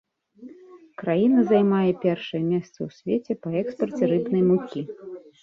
Краіна займае першае месца ў свеце па экспарце рыбнай мукі.